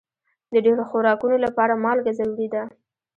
د ډېرو خوراکونو لپاره مالګه ضروري ده.